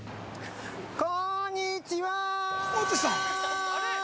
◆こんにちは！